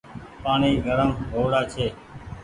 پآڻيٚ گرم هو وڙآ ڇي ۔